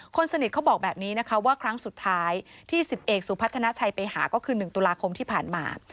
คนสนิทเขาบอกแบบนี้นะคะว่าครั้งสุดท้ายที่๑๐เอกสุพัฒนาชัยไปหาก็คือ๑ตุลาคมที่ผ่านมา